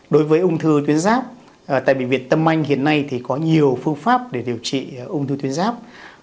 đối với ung thư tuyến ráp tại bệnh viện tâm anh hiện nay thì có nhiều phương pháp để điều trị ung thư tuyến giáp